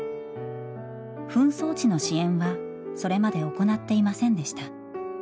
紛争地の支援はそれまで行っていませんでした。